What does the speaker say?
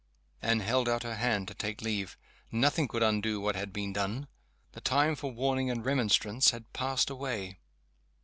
Anne held out her hand to take leave. Nothing could undo what had been done. The time for warning and remonstrance had passed away.